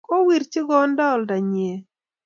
Kowirchi konda olda nyie